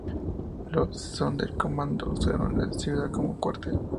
Los "Sonderkommando" usaron la ciudad como cuartel.